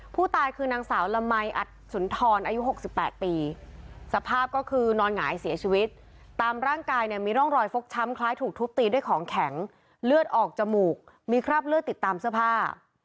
ผู้ตายคือนางสาวละมัยอัดสุนทรอายุ๖๘ปีสภาพก็คือนอนหงายเสียชีวิตตามร่างกายเนี่ยมีร่องรอยฟกช้ำคล้ายถูกทุบตีด้วยของแข็งเลือดออกจมูกมีคราบเลือดติดตามเสื้อผ้า